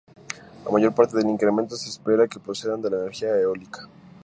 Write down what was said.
La mayor parte del incremento se espera que procedan de la energía eólica.